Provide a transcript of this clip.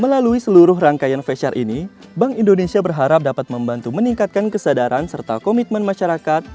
melalui seluruh rangkaian facer ini bank indonesia berharap dapat membantu meningkatkan kesadaran serta komitmen masyarakat